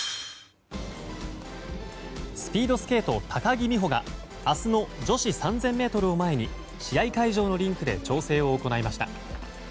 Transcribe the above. スピードスケート、高木美帆が明日の女子３０００ｍを前に試合会場のリンクで調整を行いました。